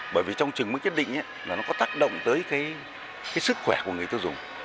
bởi vì trong chừng mức nhất định là nó có tác động tới cái sức khỏe của người tiêu dùng